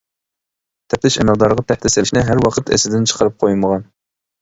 تەپتىش ئەمەلدارىغا تەھدىت سېلىشنى ھەر ۋاقىت ئېسىدىن چىقىرىپ قويمىغان.